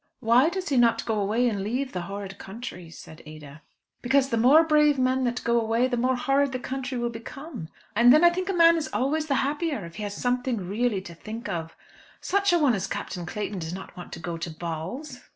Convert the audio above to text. "Why does he not go away and leave the horrid country?" said Ada. "Because the more brave men that go away the more horrid the country will become. And then I think a man is always the happier if he has something really to think of. Such a one as Captain Clayton does not want to go to balls."